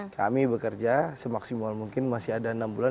kami bekerja semaksimal mungkin masih ada enam bulan